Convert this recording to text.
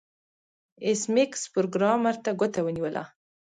ایس میکس پروګرامر ته ګوته ونیوله